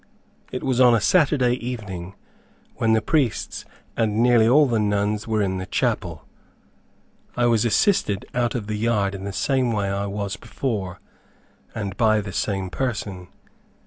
It was on a Saturday evening, when the priests and nearly all the nuns were In the chapel. I was assisted out of the yard in the same way I was before, and by the same person.